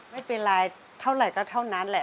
ไม่เป็นไรเท่าไหร่ก็เท่านั้นแหละ